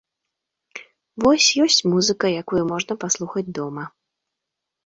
Вось, ёсць музыка, якую можна паслухаць дома.